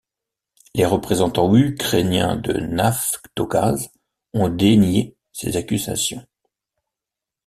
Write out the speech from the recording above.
Les représentants ukrainiens de Naftogaz ont dénié ces accusations.